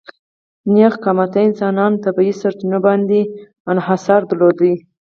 نېغ قامته انسانانو طبیعي سرچینو باندې انحصار درلود.